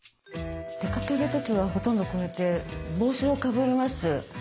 出かける時はほとんどこうやって帽子をかぶります。